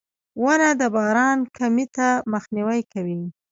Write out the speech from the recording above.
• ونه د باران کمي ته مخنیوی کوي.